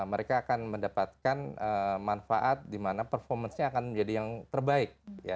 mereka akan mendapatkan manfaat di mana performance nya akan lebih baik